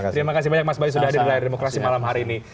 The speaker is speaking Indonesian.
terima kasih banyak mas bayu sudah hadir di layar demokrasi malam hari ini